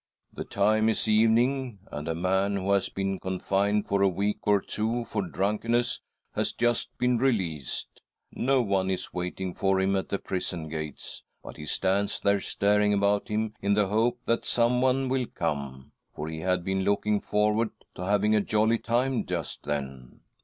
The time is evening, and. a man who has been confined for a week or two for drunkenness has just been released. . No one is waiting for him % at the prison gates, but he stands there staring :■. SISTER EDITH PLEADS WITH DEATH 121 about him in the hope that someone will come— for he had been looking forward to having a jolly time just then.